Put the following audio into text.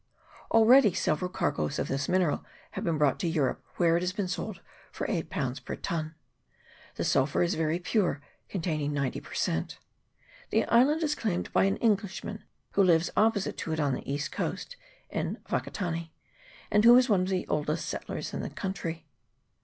Already several cargoes of this mineral have been brought to Europe, where it has been sold for 8/. per ton. The sulphur is very pure, containing ninety per cent. The island is claimed by an Englishman, who lives opposite to it on the east coast, in Wakatane, and who is one of the oldest settlers in the country.